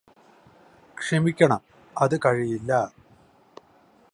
ക്ഷമിക്കണം അത് കഴിയില്ലാ